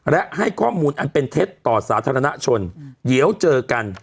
และให้ข้อมูลอันเป็นเท็จต่อสาธารณชนเดี๋ยวเจอกัน